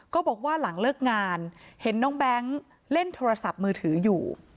ก็บอกว่าหลังเลิกงานเห็นน้องแบงค์เล่นโทรศัพท์มือถืออยู่